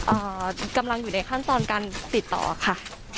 กำลังอยู่ในขั้นตอนการติดต่อค่ะ